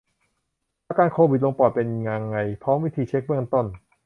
อาการโควิดลงปอดเป็นยังไง พร้อมวิธีเช็กเบื้องต้น